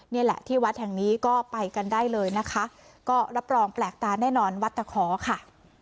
นี่แหละที่วัดแห่งนี้ก็ไปกันได้เลยนะคะก็รับรองแปลกตาแน่นอนวัดตะขอค่ะ